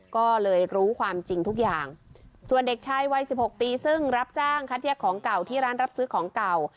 ก็เลยรู้ความจริงทุกอย่างส่วนเด็กชายวัยสิบหกปีซึ่งรับจ้างคัดแยกของเก่าที่ร้านรับซื้อของเก่า